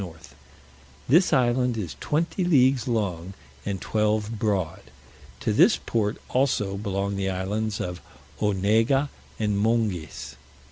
north. This island is twenty leagues long, and twelve broad. To this port also belong the islands of Onega and Monges.